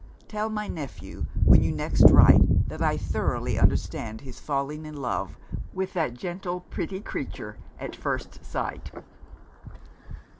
Tell my nephew, when you next write, that I thoroughly understand his falling in love with that gentle pretty creature at first sight."